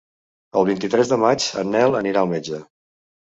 El vint-i-tres de maig en Nel anirà al metge.